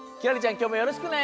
きょうもよろしくね！